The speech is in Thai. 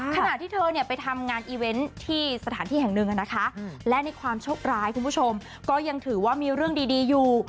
ขณะที่เธอเนี่ยไปทำงานอีเวนต์ที่สถานที่แห่งหนึ่งนะคะและในความโชคร้ายคุณผู้ชมก็ยังถือว่ามีเรื่องดีอยู่